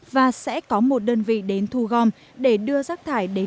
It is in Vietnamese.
và sẽ có một đơn vị đến thu gom để đưa rác thải đến một nơi khác